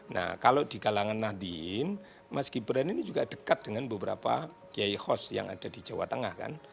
nah kalau di kalangan nahdien mas gibran ini juga dekat dengan beberapa kiai hos yang ada di jawa tengah kan